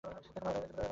এখনো হয় নাই, ম্যাডাম।